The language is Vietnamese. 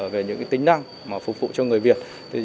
về những tính năng phục vụ cho người việt